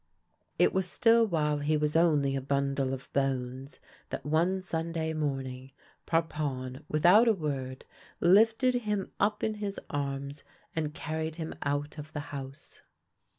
It was still while he was only a bundle of bones that one Sunday morning Parpon, without a word, lifted him up in his arms and carried him out of the house.